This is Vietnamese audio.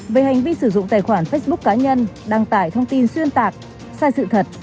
về hành vi sử dụng tài khoản facebook cá nhân đăng tải thông tin xuyên tạc sai sự thật